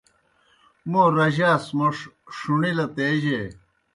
موں رجاس موݜ ݜُݨِلَت اے جے؟